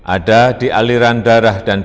ada di aliran darah dan